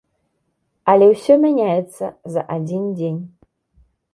Але ўсё мяняецца за адзін дзень.